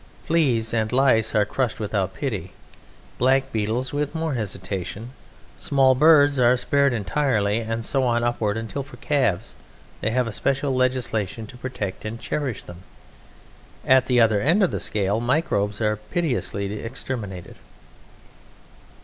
Fleas and lice are crushed without pity, blackbeetles with more hesitation, small birds are spared entirely, and so on upwards until for calves they have a special legislation to protect and cherish them. At the other end of the scale, microbes are pitilessly exterminated.